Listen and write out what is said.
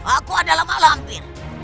aku adalah malampir